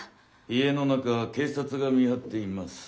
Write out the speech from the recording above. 家の中は警察が見張っています。